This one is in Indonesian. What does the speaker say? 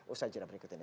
usaha cerah berikut ini